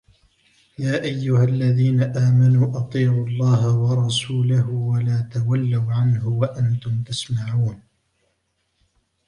يا أيها الذين آمنوا أطيعوا الله ورسوله ولا تولوا عنه وأنتم تسمعون